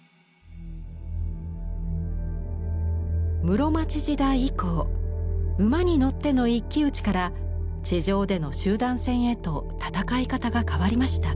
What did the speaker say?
室町時代以降馬に乗っての一騎打ちから地上での集団戦へと戦い方が変わりました。